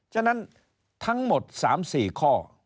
ฉะนั้นทั้งหมด๓๔ข้อ